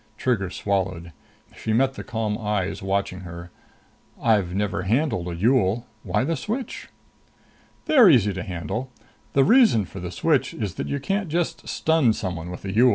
Trigger swallowed. She met the calm eyes watching her. "I've never handled a Yool. Why the switch?" "They're easy to handle. The reason for the switch is that you can't just stun someone with a Yool.